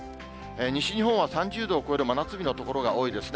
西日本は３０度を超える真夏日の所が多いですね。